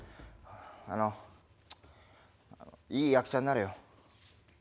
あのいい役者になれよ。